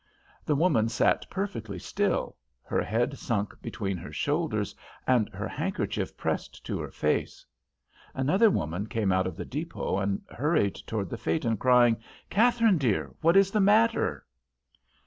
The woman sat perfectly still, her head sunk between her shoulders and her handkerchief pressed to her face. Another woman came out of the depot and hurried toward the phaeton, crying, "Katharine, dear, what is the matter?"